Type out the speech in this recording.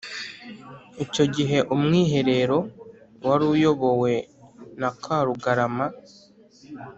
Icyo gihe umwiherero wari uyobowe na Karugarama